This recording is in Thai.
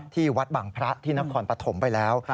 ที่วัดบังพระที่นครปฐมไปแล้ว